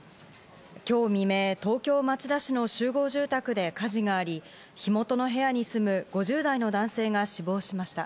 今日未明、東京・町田市の集合住宅で火事があり、火元の部屋に住む５０代の男性が死亡しました。